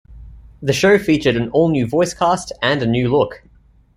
The show featured an all-new voice cast and a new look.